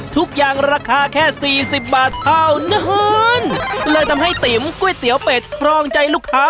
ทุกอย่างราคาแค่สี่สิบบาทเท่านั้นเลยทำให้ติ๋มก๋วยเตี๋ยวเป็ดครองใจลูกค้า